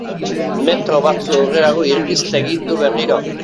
Metro batzu aurrerago irrist egin du berriro.